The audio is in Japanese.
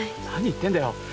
何言ってんだよ